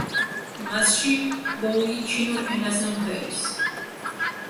მასში ბოუი ჩინურ ენაზე მღერის.